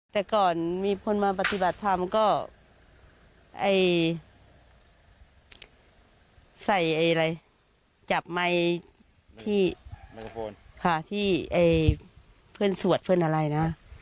แต่ก่อนมีคนมาปฏิบัติธรรมก็ใส่อะไรจับไมค์ที่เพื่อนสวดเพื่อนอะไรนะ